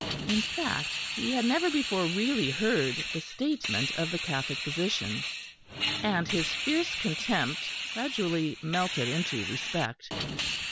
In fact, he had never before really heard the statement of the Catholic position; and his fierce contempt gradually melted into respect.